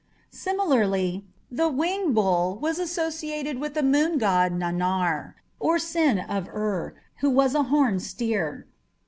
Similarly the winged bull was associated with the moon god Nannar, or Sin, of Ur, who was "a horned steer".